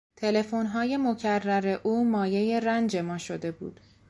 تلفنهای مکرر او مایهی رنج ما شده بود.